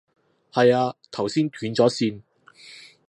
係啊，頭先斷咗線